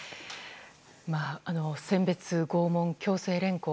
選別、拷問、強制連行。